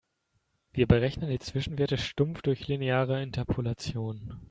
Wir berechnen die Zwischenwerte stumpf durch lineare Interpolation.